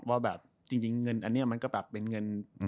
ว่าแบบจริงเงินอันนี้มันก็แบบเป็นเงิน